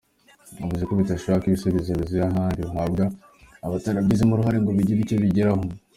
Yavuze ko bitashoboka ko ibisubizo bivuye ahandi byahabwa abatarabigizemo uruhare ngo bigire icyo bigeraho.